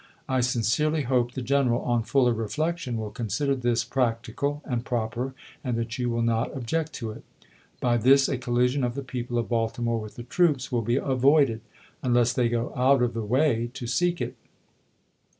I sincerely hope the general, on fuller reflection, wiU consider this prac tical and proper, and that you will not object to it. By this a collision of the people of Baltimore with the troops will be avoided, unless they go out of the way to seek it.